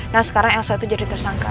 nah sekarang elsa itu jadi tersangka